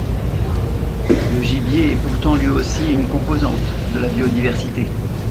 Le gibier est pourtant lui aussi une composante de la biodiversité.